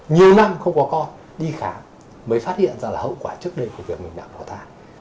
nhiều năm không có con đi khám mới phát hiện ra là hậu quả trước đây của việc mình đã bỏ thai